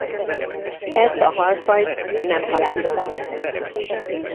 Ezt a halfajt nem halásszák.